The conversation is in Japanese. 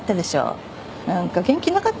何か元気なかったよ。